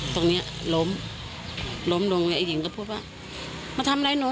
ตรงเนี้ยล้มล้มลงไอ้หญิงก็พูดว่ามาทำอะไรหนู